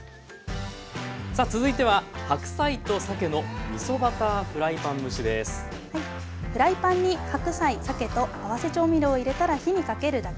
さあ続いてはフライパンに白菜さけと合わせ調味料を入れたら火にかけるだけ。